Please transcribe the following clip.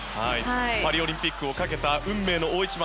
パリオリンピックをかけた運命の大一番。